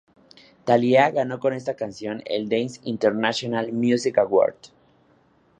Thalía ganó con esta canción el Dance International Music Award.